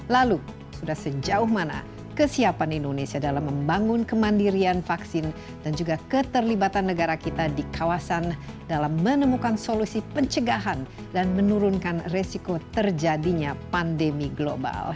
lalu sudah sejauh mana kesiapan indonesia dalam membangun kemandirian vaksin dan juga keterlibatan negara kita di kawasan dalam menemukan solusi pencegahan dan menurunkan resiko terjadinya pandemi global